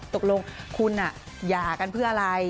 ตกลงคุณหย่ากันเพื่ออะไร